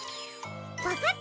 わかった！